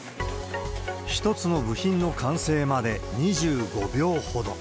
１つの部品の完成まで２５秒ほど。